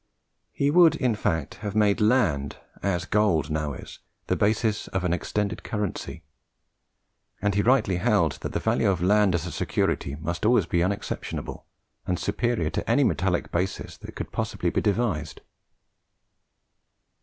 He would, in fact, have made land, as gold now is, the basis of an extended currency; and he rightly held that the value of land as a security must always be unexceptionable, and superior to any metallic basis that could possibly be devised.